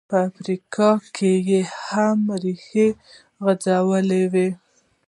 په افریقا کې یې هم ریښې غځولې وې.